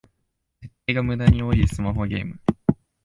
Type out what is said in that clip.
設定がムダに多いスマホゲーム